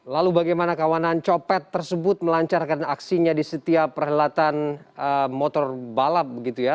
lalu bagaimana kawanan copet tersebut melancarkan aksinya di setiap perhelatan motor balap begitu ya